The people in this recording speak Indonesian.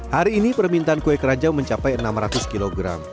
hari ini permintaan kue keranjang mencapai enam ratus kg